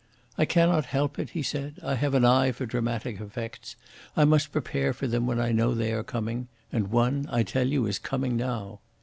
"I cannot help it," he said; "I have an eye for dramatic effects. I must prepare for them when I know they are coming. And one, I tell you, is coming now."